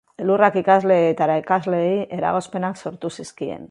Elurrak ikasleei eta irakasleei eragozpenak sortu zizkien.